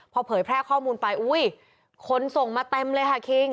พอเผยแพร่ข้อมูลไปอุ้ยคนส่งมาเต็มเลยค่ะคิง